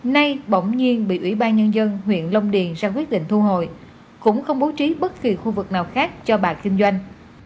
nay bỗng nhiên bị ủy ban nhân dân huyện long điền ra quyết định thu hồi cũng không bố trí bất kỳ khu vực nào khác cho bà kinh doanh